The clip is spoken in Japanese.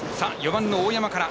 ４番の大山から。